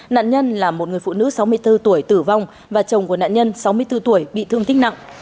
nạn nhân là một người phụ nữ sáu mươi bốn tuổi tử vong và chồng của nạn nhân sáu mươi bốn tuổi bị thương tích nặng